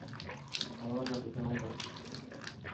اوهان نا ٻڌائون تا.